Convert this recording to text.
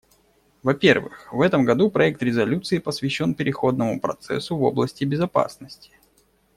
Вопервых, в этом году проект резолюции посвящен переходному процессу в области безопасности.